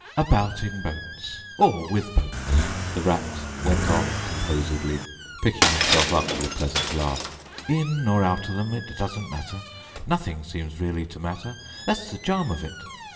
"—about in boats—or with boats," the Rat went on composedly, picking himself up with a pleasant laugh. "In or out of 'em, it doesn't matter. Nothing seems really to matter, that's the charm of it.